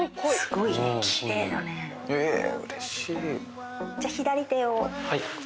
すごい！え！